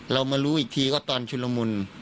เรามารู้อีกทีก็ตอนชุดละมุน